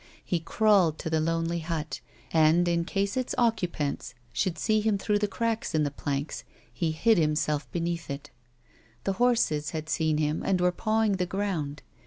He crawled to th3 lonely hut, and, in case its occupants should see him through the cracks in the planks, hid himself beneath it. The horses had seen him and were pawing the ground.